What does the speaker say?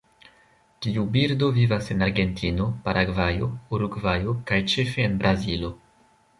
Tiu birdo vivas en Argentino, Paragvajo, Urugvajo kaj ĉefe en Brazilo.